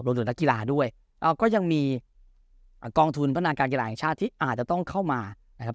หรือนักกีฬาด้วยก็ยังมีกองทุนพัฒนาการกีฬาแห่งชาติที่อาจจะต้องเข้ามานะครับ